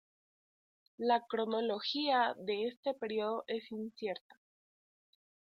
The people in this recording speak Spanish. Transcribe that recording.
La cronología de este período es incierta.